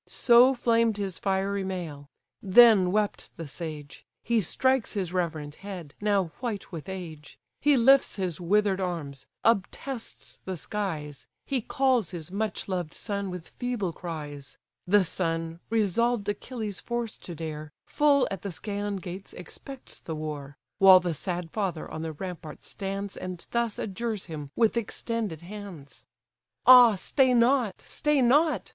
So flamed his fiery mail. Then wept the sage: He strikes his reverend head, now white with age; He lifts his wither'd arms; obtests the skies; He calls his much loved son with feeble cries: The son, resolved Achilles' force to dare, Full at the Scæan gates expects the war; While the sad father on the rampart stands, And thus adjures him with extended hands: "Ah stay not, stay not!